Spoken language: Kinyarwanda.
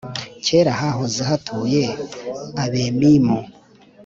(Kera hahoze hatuye Abemimu,